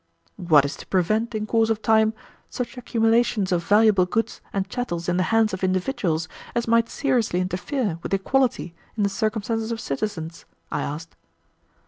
"What is to prevent, in course of time, such accumulations of valuable goods and chattels in the hands of individuals as might seriously interfere with equality in the circumstances of citizens?" I asked.